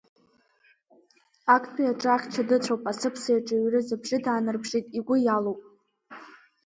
Актәи аҿы ахьча дыцәоуп, асыԥса иаҿыҩрыз абжьы даанарԥшит, игәы иалоу…